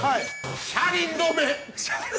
車輪とめ。